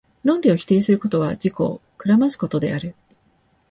論理を否定することは、自己を暗ますことである。